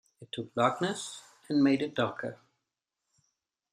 It took darkness and made it darker.